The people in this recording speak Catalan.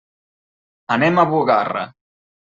Anem a Bugarra.